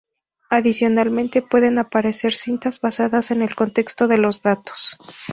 Adicionalmente pueden aparecer cintas basadas en el contexto de los datos.